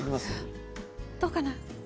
どうかな？